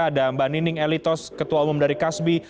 ada mbak nining elitos ketua umum dari kasbi